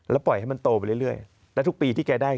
ปล่อยให้มันโตไปเรื่อยและทุกปีที่แกได้